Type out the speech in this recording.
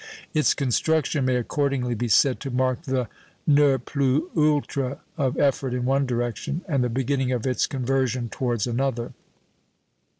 Its construction may accordingly be said to mark the ne plus ultra of effort in one direction, and the beginning of its conversion towards another.